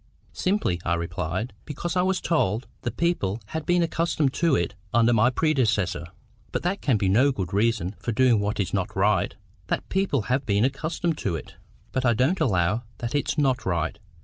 "Simply," I replied, "because I was told the people had been accustomed to it under my predecessor." "But that can be no good reason for doing what is not right—that people have been accustomed to it." "But I don't allow that it's not right.